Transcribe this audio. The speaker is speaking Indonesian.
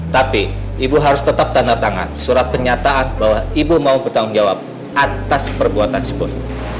tapi ibu harus tetap tanda tangan surat penyataan bahwa ibu mau bertanggung jawab atas perbuatan sepun